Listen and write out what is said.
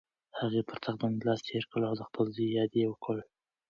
هغې پر تخت باندې لاس تېر کړ او د خپل زوی یاد یې وکړ.